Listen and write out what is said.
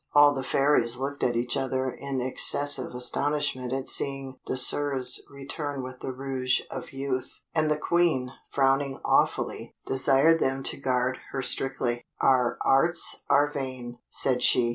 All the fairies looked at each other in excessive astonishment at seeing Désirs return with the Rouge of Youth, and the Queen, frowning awfully, desired them to guard her strictly. "Our arts are vain," said she.